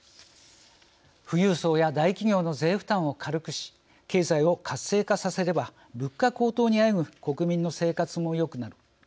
「富裕層や大企業の税負担を軽くし経済を活性化させれば物価高騰にあえぐ国民の生活もよくなる」。